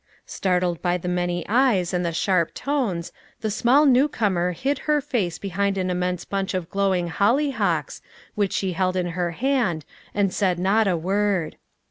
Startled by the many eyes and the sharp tones, the small new comer hid her face behind an immense bunch of glowing hollyhocks, which she held in her hand, and said not a word.